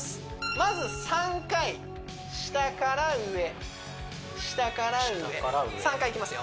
まず３回下から上下から上３回いきますよ